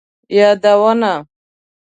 یادونه: